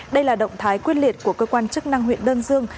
đây là động thái quyết liệt của cơ quan chức năng huyện đơn dương